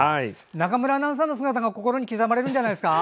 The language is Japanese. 中村アナウンサーの姿が心に刻まれるんじゃないですか？